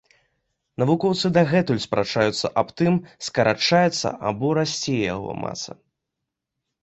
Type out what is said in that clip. Навукоўцы дагэтуль спрачаюцца аб тым, скарачаецца або расце яго маса.